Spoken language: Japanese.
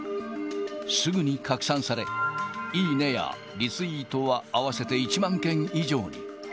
すぐに拡散され、いいねやリツイートは合わせて１万件以上に。